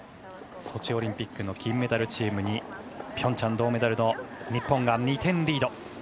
ソチオリンピックの金メダルチームにピョンチャン銅メダルの日本が２点リード。